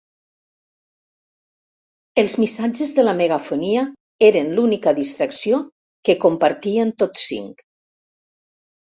Els missatges de la megafonia eren l'única distracció que compartien tots cinc.